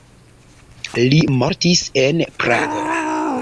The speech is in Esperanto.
Li mortis en Prago.